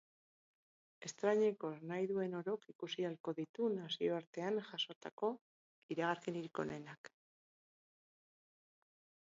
Estreinekoz, nahi duen orok ikusi ahalko ditu nazioartean jasotako iragarkirik onenak.